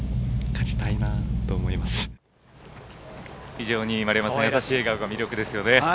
非常に優しい笑顔が魅力ですよね。